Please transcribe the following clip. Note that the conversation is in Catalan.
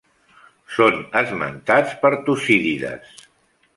Són esmentats per Tucídides.